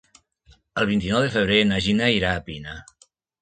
El vint-i-nou de febrer na Gina irà a Pina.